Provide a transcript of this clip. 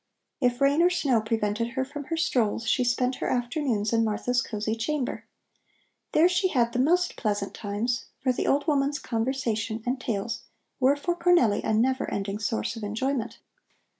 If rain or snow prevented her from her strolls, she spent her afternoons in Martha's cosy chamber. There she had the most pleasant times, for the old woman's conversation and tales were for Cornelli a never ending source of enjoyment.